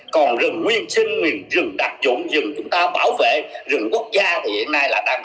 còn rừng nguyên sinh miền rừng đặc dụng rừng chúng ta bảo vệ rừng quốc gia thì hiện nay là đang